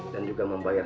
dan juga membayar uang